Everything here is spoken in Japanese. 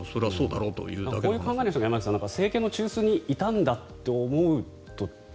こういう考えの人が政権の中枢にいたんだと思うと。